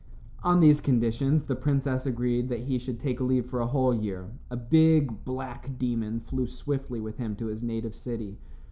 On these conditions, the princess agreed that he should take leave for a whole year. A big, black demon flew swiftly with him to his native city.